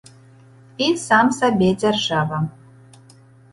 І сам сабе дзяржава.